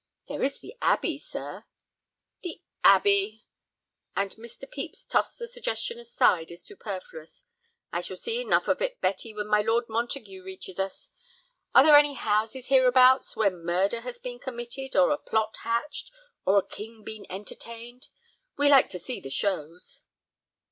"There is the Abbey, sir." "The Abbey!" And Mr. Pepys tossed the suggestion aside as superfluous. "I shall see enough of it, Betty, when my Lord Montague reaches us. Are there any houses hereabouts where murder has been committed, or a plot hatched, or a king been entertained. We like to see the shows."